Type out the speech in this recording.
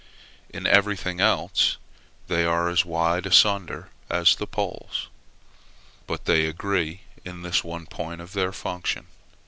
In everything else they are as wide asunder as the poles; but they agree in this one point of their function.